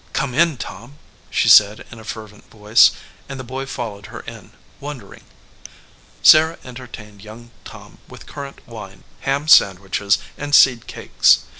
"Come in, Tom," she said in a fervent voice, and the boy followed her in, wondering. Sarah entertained young Tom with currant wine, ham sandwiches, and seed cakes.